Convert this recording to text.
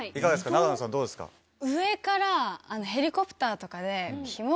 永野さんどうですか？